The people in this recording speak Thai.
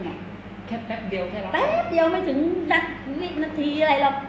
แป๊บเดียวแค่เราแป๊บเดียวไม่ถึงสักวินาทีอะไรหรอก